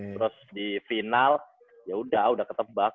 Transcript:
terus di final ya udah udah ketebak